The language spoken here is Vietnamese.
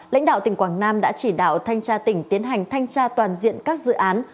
lãnh đạo tỉnh quảng nam đã chỉ đạo thanh tra tỉnh tiến hành thanh tra toàn diện các dự án